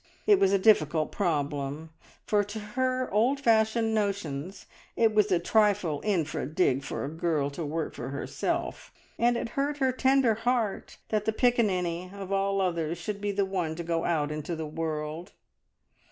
It was a difficult problem, for to her old fashioned notions it was a trifle infra dig for a girl to work for herself, and it hurt her tender heart that the Piccaninny of all others should be the one to go out into the world.